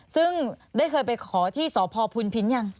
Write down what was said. ซึ่งได้เคยไปขอที่สพพุนพินยัง